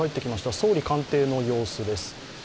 総理官邸の様子です。